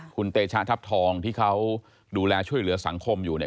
คุณเตชะทัพทองที่เขาดูแลช่วยเหลือสังคมอยู่เนี่ย